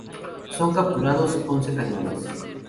Son capturados once cañones.